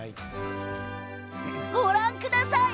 ご覧ください。